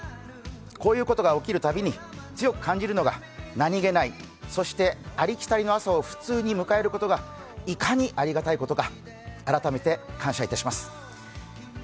こういうことが起きるたびに強く感じるのが、何気ない、そしてありきたりの朝を普通に迎えることがいかにありがたいことか、改めて感謝いたします。